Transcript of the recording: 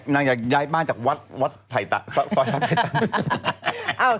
นายอยากย้ายบ้านจากวัดไถ่ต่าง